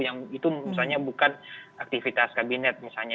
yang itu misalnya bukan aktivitas kabinet misalnya